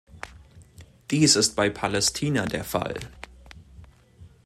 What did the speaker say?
Dies ist bei Palästina der Fall.